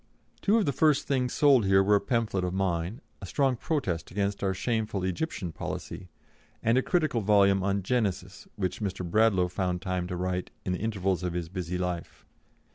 Two of the first things sold here were a pamphlet of mine, a strong protest against our shameful Egyptian policy, and a critical volume on "Genesis" which Mr. Bradlaugh found time to write in the intervals of his busy life.